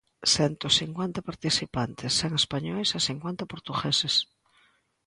Cento cincuenta participantes, cen españois e cincuenta portugueses.